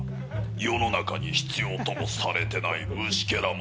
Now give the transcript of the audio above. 世の中に必要ともされてない虫けらも同然。